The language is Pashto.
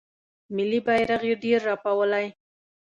ملي بیرغ یې ډیر رپولی